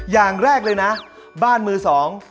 อย่างแรกเลยนะบ้านมือสอง